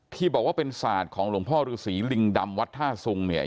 ที่บอกว่าเป็นศาสตร์ของหลวงพ่อฤษีลิงดำวัดท่าสุงเนี่ย